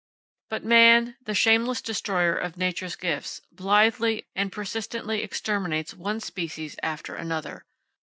But man, the shameless destroyer of Nature's gifts, blithely and persistently exterminates one species after another.